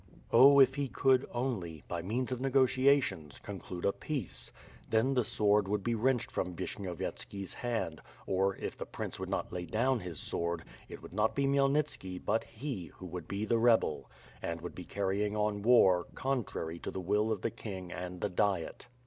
Oh, if he could only, by means of negotiations, conclude WITH FIRB AND SWOHD. j^i a peace! Then the sword would be wrenched from Vishnyov yetski's hand, or, if the prince would not lay down his sword, it would not be Khmyelnitski but he, who would be the rebel; who would be carrying on war, contrary to the will of the king and the Diet.